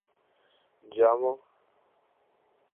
جامو